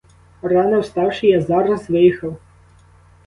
Рано вставши, я зараз виїхав.